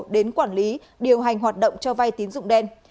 đến quản lý điều hành hoạt động cho vay tín dụng đen